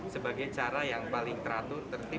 sebagai cara yang paling teratur tertib